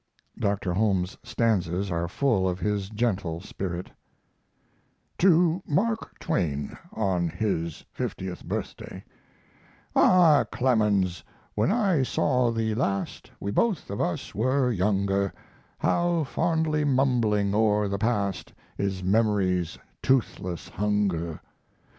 Dr. Holmes's stanzas are full of his gentle spirit: TO MARK TWAIN (On his fiftieth birthday) Ah, Clemens, when I saw thee last, We both of us were younger; How fondly mumbling o'er the past Is Memory's toothless hunger!